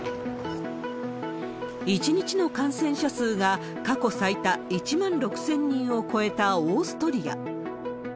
１日の感染者数が、過去最多１万６０００人を超えたオーストリア。